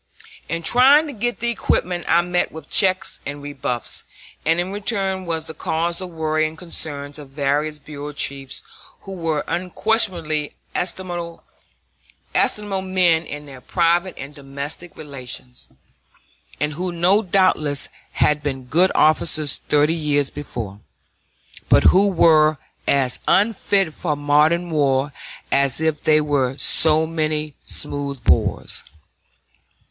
In trying to get the equipment I met with checks and rebuffs, and in return was the cause of worry and concern to various bureau chiefs who were unquestionably estimable men in their private and domestic relations, and who doubtless had been good officers thirty years before, but who were as unfit for modern war as if they were so many smooth bores.